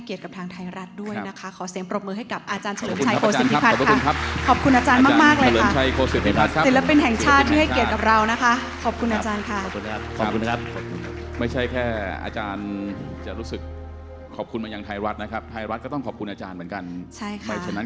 คิดว่าทุกคนอยากเห็น